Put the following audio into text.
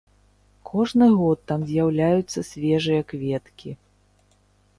Кожны год там з'яўляюцца свежыя кветкі.